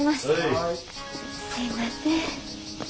すいません。